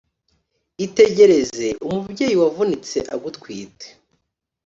Itegereze umubyeyi Wavunitse agutwite,